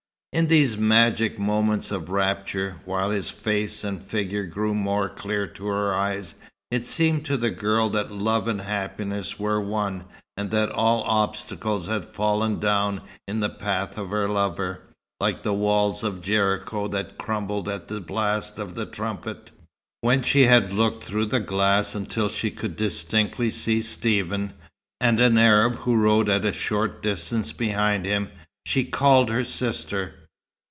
In these magic moments of rapture, while his face and figure grew more clear to her eyes, it seemed to the girl that love and happiness were one, and that all obstacles had fallen down in the path of her lover, like the walls of Jericho that crumbled at the blast of the trumpet. When she had looked through the glass until she could distinctly see Stephen, and an Arab who rode at a short distance behind him, she called her sister.